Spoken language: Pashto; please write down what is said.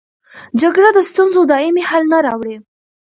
جګړه د ستونزو دایمي حل نه راوړي.